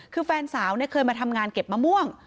คือแฟนสาวเคยมาทำงานเก็บมะม่วง